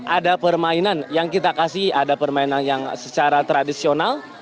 ada permainan yang kita kasih ada permainan yang secara tradisional